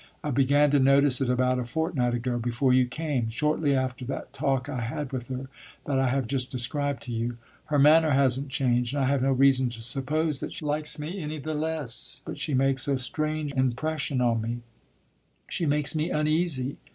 I began to notice it about a fortnight ago before you came; shortly after that talk I had with her that I have just described to you. Her manner has n't changed and I have no reason to suppose that she likes me any the less; but she makes a strange impression on me she makes me uneasy.